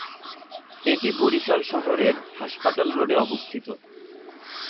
এটি বরিশাল শহরের হাসপাতাল রোডে অবস্থিত।